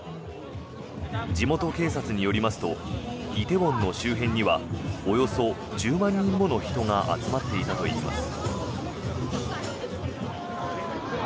地元警察によりますと梨泰院の周辺にはおよそ１０万人もの人が集まっていたといいます。